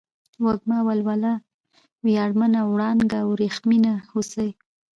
وږمه ، ولوله ، وياړمنه ، وړانگه ، ورېښمينه ، هوسۍ